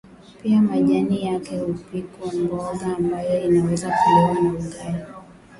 Pia majani yake hupikwa mboga ambayo inaweza kuliwa na ugali